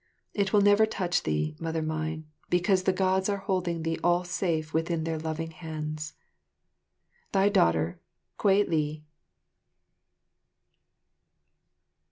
It will never touch thee, Mother mine, because the Gods are holding thee all safe within their loving hands. Thy daughter, Kwei li.